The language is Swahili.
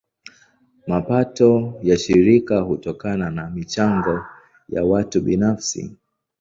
Mapato ya shirika hutokana na michango ya watu binafsi.